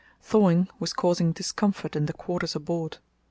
Thawing was causing discomfort in the quarters aboard.